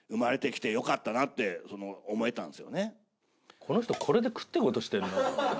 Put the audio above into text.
この人これで食ってこうとしてるな。